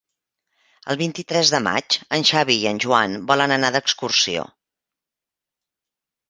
El vint-i-tres de maig en Xavi i en Joan volen anar d'excursió.